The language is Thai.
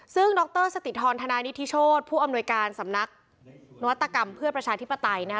ซึ่งดรสติธรธนานิธิโชธผู้อำนวยการสำนักนวัตกรรมเพื่อประชาธิปไตยนะคะ